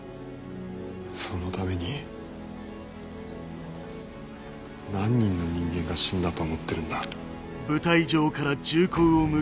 そのために何人の人間が死んだと思ってるんだ。